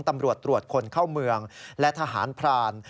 ตำรวจตรวจคนเข้าเมืองและทหารพราน